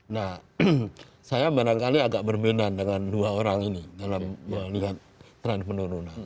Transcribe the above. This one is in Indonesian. nah saya kadang kadang agak berminat dengan dua orang ini dalam melihat trend penurunan